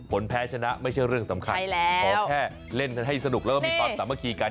ผลแพ้ชนะไม่ใช่เรื่องสำคัญขอแค่เล่นให้สนุกแล้วก็มีความสามัคคีกัน